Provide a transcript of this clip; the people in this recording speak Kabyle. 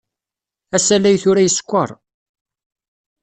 Asalay tura isekkeṛ.